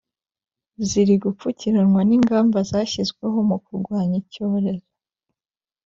ziri gupfukiranwa n’ingamba zashyizweho mu kurwanya icyorezo